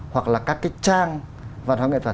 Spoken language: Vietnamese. hoặc là các cái trang văn hóa nghệ thuật